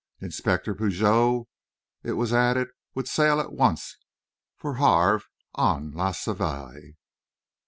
Inspector Pigot, it was added, would sail at once for Havre on _La Savoie.